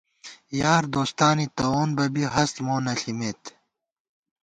یار دوستانے تَوون بہ بی ہست مو نہ ݪِمېت